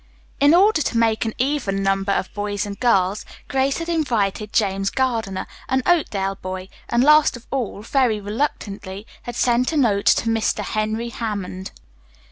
In order to make an even number of boys and girls, Grace had invited James Gardiner, an Oakdale boy, and last of all, very reluctantly, had sent a note to Mr. Henry Hammond.